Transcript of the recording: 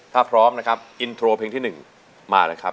ถ้าพร้อมนะครับอินโทรเพลงที่๑มาเลยครับ